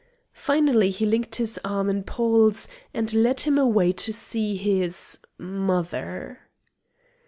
Finally he linked his arm in Paul's and led him away to see his mother.